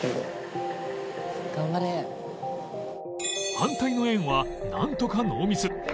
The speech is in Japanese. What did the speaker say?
反対の円はなんとかノーミス